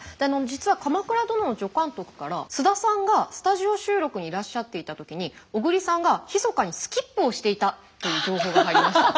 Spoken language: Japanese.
実は「鎌倉殿」の助監督から菅田さんがスタジオ収録にいらっしゃっていた時に小栗さんがひそかにスキップをしていたという情報が入りました。